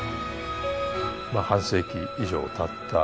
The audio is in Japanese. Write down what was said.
まあ半世紀以上たった